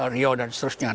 rio dan seterusnya